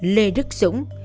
lê đức dũng